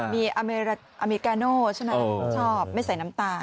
มีอเมริกาโน่ใช่ไหมชอบไม่ใส่น้ำตาล